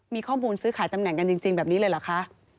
มีข้อมูลซื้อขายตำแหน่งกันจริงแบบนี้เลยเหรอคะ